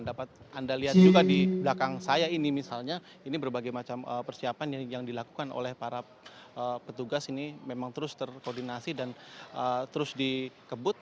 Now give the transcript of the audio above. dapat anda lihat juga di belakang saya ini misalnya ini berbagai macam persiapan yang dilakukan oleh para petugas ini memang terus terkoordinasi dan terus dikebut